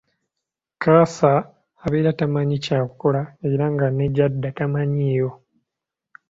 Kaasa abeera tamanyi kyakukola era nga ne gyadda tamanyiiyo.